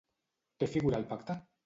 Què figura al pacte?